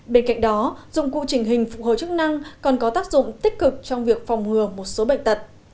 bên cạnh đó dụng cụ trình hình phục hồi chức năng còn có tác dụng tích cực trong việc phòng ngừa một số bệnh tật